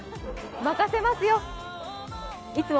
任せますよ。